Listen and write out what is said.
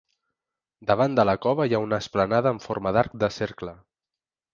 Davant de la cova hi ha una esplanada en forma d'arc de cercle.